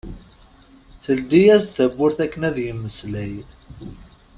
Teldi-as-d tawwurt akken ad yemmeslay.